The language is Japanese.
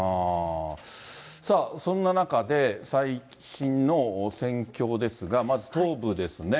さあ、そんな中で、最新の戦況ですが、まず東部ですね。